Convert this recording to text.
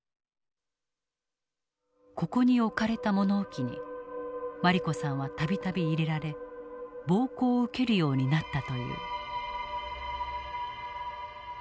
ここに置かれた物置に茉莉子さんは度々入れられ暴行を受けるようになったという。